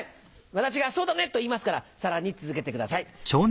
私が「そうだね」と言いますからさらに続けてください。